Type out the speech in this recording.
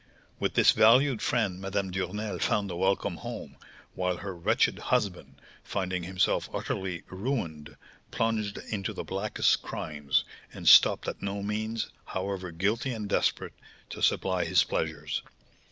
With this valued friend Madame Duresnel found a welcome home, while her wretched husband, finding himself utterly ruined, plunged into the blackest crimes, and stopped at no means, however guilty and desperate, to supply his pleasures.